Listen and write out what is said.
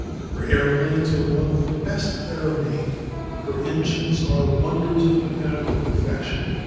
Her airplanes are among the best that are made. Her engines are wonders of mechanical perfection.